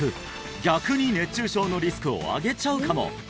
逆に熱中症のリスクを上げちゃうかも！？